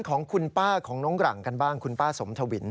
ของคุณป้าของน้องหลังกันบ้างคุณป้าสมทวิน